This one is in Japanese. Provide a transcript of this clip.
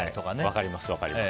分かります。